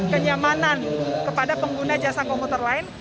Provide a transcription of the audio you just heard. kenyamanan kepada pengguna jasa komuter lain